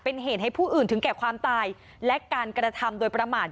เป็นเหตุให้ผู้อื่นถึงแก่ความตายและการกระทำโดยประมาท